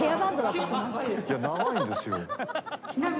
いや長いんですよ！